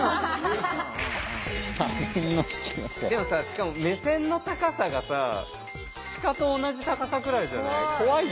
しかも目線の高さがさ鹿と同じ高さくらいじゃない？